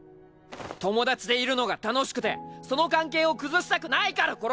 友達でいるのが楽しくてその関係を崩したくないから殺す！